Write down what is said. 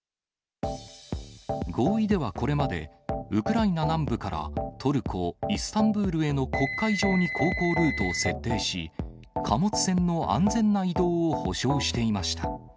合意ではこれまでウクライナ南部からトルコ・イスタンブールへの黒海上に航行ルートを設定し、貨物船の安全な移動を保証していました。